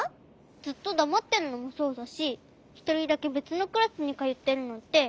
ずっとだまってるのもそうだしひとりだけべつのクラスにかよってるのってへんじゃない？